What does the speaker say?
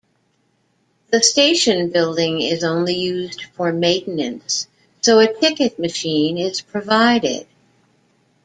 The station building is only used for maintenance so a ticket machine is provided.